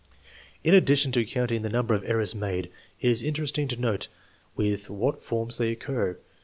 In addition to counting the number of errors made, it is interesting to note with what forms they occur.